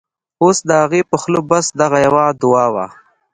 اوس د هغې په خوله بس، دغه یوه دعاوه